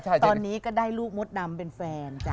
ตอนนี้ก็ได้ลูกมดดำเป็นแฟนจ้ะ